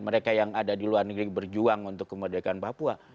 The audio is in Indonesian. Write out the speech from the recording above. mereka yang ada di luar negeri berjuang untuk kemerdekaan papua